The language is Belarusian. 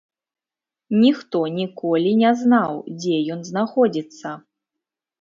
Ніхто ніколі не знаў, дзе ён знаходзіцца.